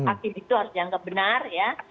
aktivis itu harus dianggap benar ya